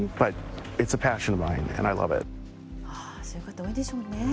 そういう方多いんでしょうね。